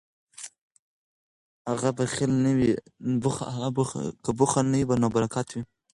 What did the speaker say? که بخل نه وي نو برکت وي.